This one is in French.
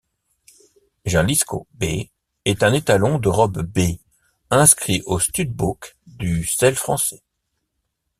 Jalisco B est un étalon de robe bai, inscrit au stud-book du Selle français.